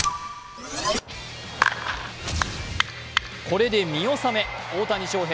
これで見納め、大谷翔平